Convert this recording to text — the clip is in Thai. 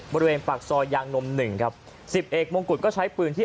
บริเวณปากซอยยางนมหนึ่งครับสิบเอกมงกุฎก็ใช้ปืนที่